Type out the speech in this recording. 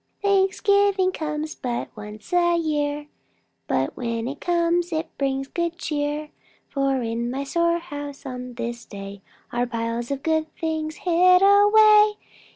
"Thanksgiving comes but once a year, But when it comes it brings good cheer. For in my storehouse on this day Are piles of good things hid away.